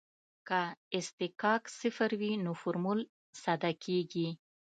که اصطکاک صفر وي نو فورمول ساده کیږي